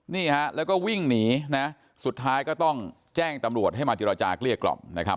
นี่ฮะแล้วก็วิ่งหนีนะสุดท้ายก็ต้องแจ้งตำรวจให้มาเจรจาเกลี้ยกล่อมนะครับ